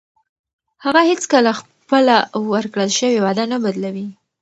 هغه هیڅکله خپله ورکړل شوې وعده نه بدلوي.